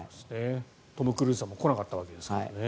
トム・クルーズさんも来なかったわけですからね。